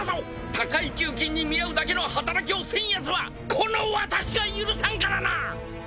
高い給金に見合うだけの働きをせんやつはこの私が許さんからな！